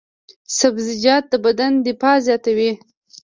سبزیجات د بدن دفاع زیاتوي.